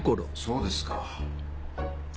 そうですか。